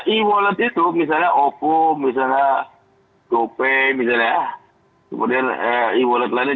e wallet itu misalnya oppo misalnya gopay misalnya kemudian e wallet lainnya